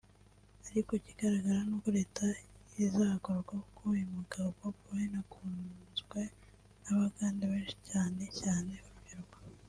ariko ikigaragara nuko leta izagorwa kuko uyu mugabo (Bobi Wine) akunzwe n’abagande benshi cyane cyane urubyiruko